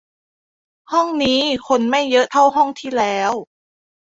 ห้องนี้คนไม่เยอะเท่าห้องที่แล้ว